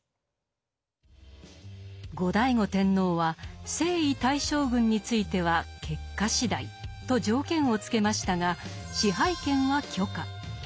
後醍醐天皇は征夷大将軍については結果次第と条件をつけましたが支配権は許可。